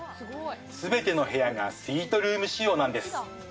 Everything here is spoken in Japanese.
すべての部屋がスイートルーム仕様なんです。